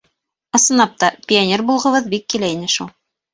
Ысынлап та, пионер булғыбыҙ бик килә ине шул.